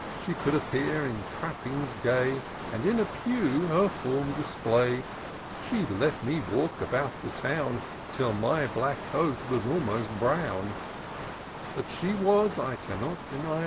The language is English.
She could appear in trappings gay. And in a pew her form display, She'd let me walk about the town, Till my black coat was almost brown ; But then she was, I can't deny.